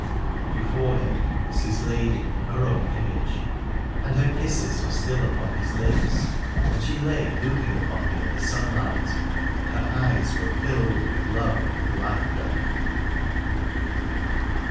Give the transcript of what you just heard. And before him was his lady in her own image, and her kisses were still upon his lips : and she lay looking upon him in the sunlight and her eyes were filled with love and with laughter.